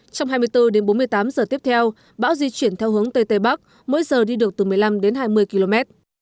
trong hai mươi bốn đến bốn mươi tám giờ tiếp theo bão di chuyển theo hướng tây tây bắc mỗi giờ đi được từ một mươi năm đến hai mươi km